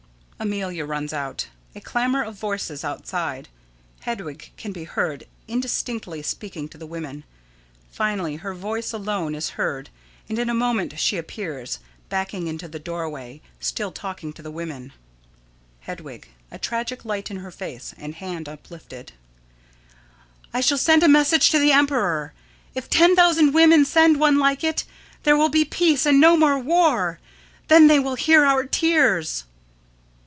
[_Amelia runs out. A clamor of voices outside. Hedwig can be heard indistinctly speaking to the women. Finally her voice alone is heard, and in a moment she appears, backing into the doorway, still talking to the women._] Hedwig: [A tragic light in her face, and hand uplifted.] I shall send a message to the emperor. If ten thousand women send one like it, there will be peace and no more war. Then they will hear our tears.